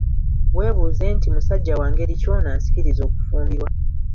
Weebuuze nti musajja wa ngeri ki oyo ansikiriza okufumbirwa?